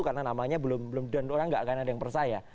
karena namanya belum diundurkan nggak akan ada yang percaya